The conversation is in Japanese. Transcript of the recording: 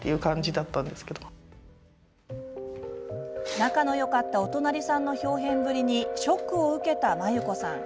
仲のよかったお隣さんのひょう変ぶりにショックを受けた、まゆこさん。